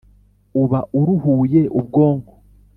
uba uruhuye ubwonko